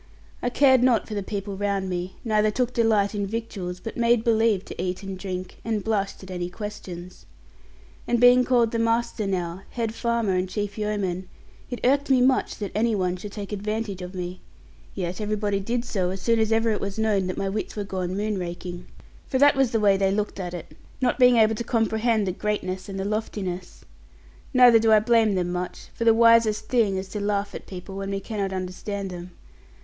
I cared not for the people round me, neither took delight in victuals; but made believe to eat and drink and blushed at any questions. And being called the master now, head farmer, and chief yeoman, it irked me much that any one should take advantage of me; yet everybody did so as soon as ever it was known that my wits were gone moon raking. For that was the way they looked at it, not being able to comprehend the greatness and the loftiness. Neither do I blame them much; for the wisest thing is to laugh at people when we cannot understand them.